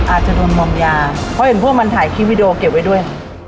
อาจจะโดนมอมยาเพราะเห็นพวกมันถ่ายคลิปวิดีโอเก็บไว้ด้วย